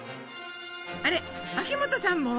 あれ秋元さんも？